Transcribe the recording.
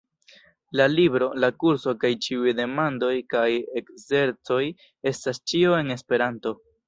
La libro, la kurso, kaj ĉiuj demandoj kaj ekzercoj estas ĉio en Esperanto.